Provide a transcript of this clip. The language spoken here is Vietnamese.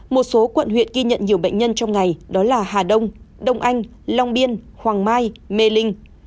một số quận huyện ghi nhận nhiều bệnh nhân trong ngày đó là hà đông đông anh long biên hoàng mai mê linh